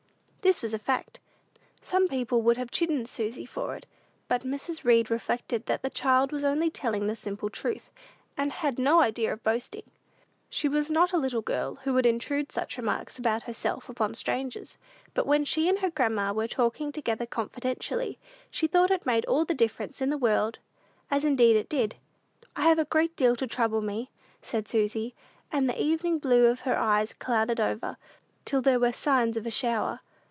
This was a fact. Some people would have chidden Susy for it; but Mrs. Read reflected that the child was only telling the simple truth, and had no idea of boasting. She was not a little girl who would intrude such remarks about herself upon strangers. But when she and her grandma were talking together confidentially, she thought it made all the difference in the world; as indeed it did. "I have a great deal to trouble me," said Susy, and the "evening blue" of her eyes clouded over, till there were signs of a shower.